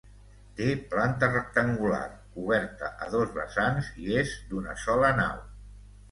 Té planta rectangular, coberta a dos vessants i és d'una sola nau.